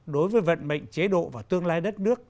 đối với vận mệnh chế độ và tương lai đất nước